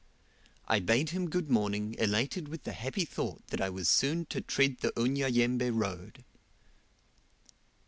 I bade him good morning, elated with the happy thought that I was soon to tread the Unyanyembe road.